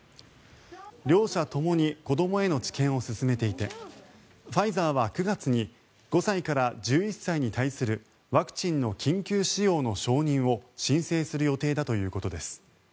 両社ともに子どもへの治験を進めていてファイザーは９月に５歳から１１歳に対するワクチンの緊急使用の承認を申請する予定だということです。